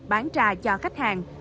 bán trà cho khách hàng